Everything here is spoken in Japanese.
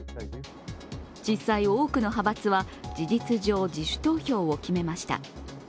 実際、多くの派閥は事実上、自主投票を決めました。